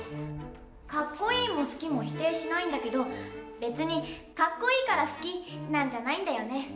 カッコイイも好きも否定しないんだけど別にカッコイイから好きなんじゃないんだよね。